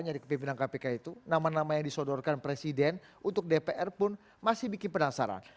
yaitu nama nama yang disodorkan presiden untuk dpr pun masih bikin penasaran